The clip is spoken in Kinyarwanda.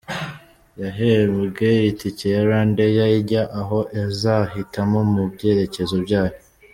Yahembwe itike ya RwandAir ijya aho azahitamo mu byerekezo byayo.